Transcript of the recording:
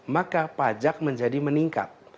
maka pajak menjadi meningkat